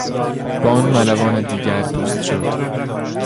با آن ملوان دیگر دوست شد.